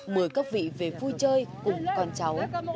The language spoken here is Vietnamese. mời các vị về vui chơi cùng con cháu